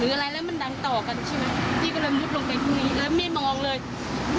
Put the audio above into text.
หรืออะไรแล้วมันดังต่อกันใช่ไหมพี่ก็เลยมุดลงไปที่นี่แล้วไม่มองเลยไม่เห็นอะไร